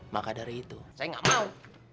maka dari itu saya nggak mau